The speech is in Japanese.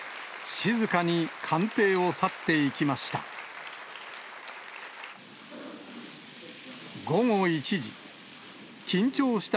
静かに官邸を去っていきました。